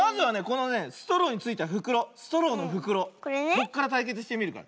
こっからたいけつしてみるから。